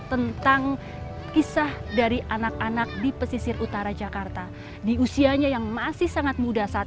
tentang kisah dari anak anak di pesisir utara jakarta di usianya yang masih sangat muda saat